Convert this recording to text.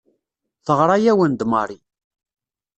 Teɣra-awen-d Mary.